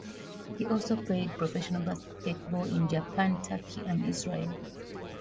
He also played professional basketball in Japan, Turkey and Israel.